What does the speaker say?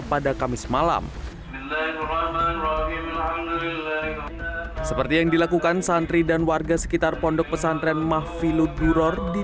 pada kamis malam seperti yang dilakukan santri dan warga sekitar pondok pesantren mahfilud huror di